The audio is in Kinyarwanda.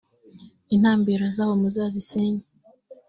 intambiro zabo muzazisenye